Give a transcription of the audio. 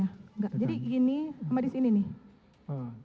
jadi gini sama disini nih